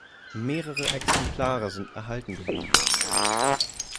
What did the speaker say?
Mehrere Exemplare sind erhalten geblieben.